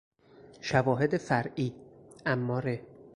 شواهد فرعی، اماره